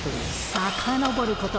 さかのぼること